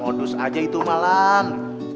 harus aja itu malan